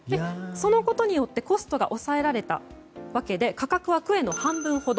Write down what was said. そのことによってコストが抑えられたわけで価格はクエの半分ほど。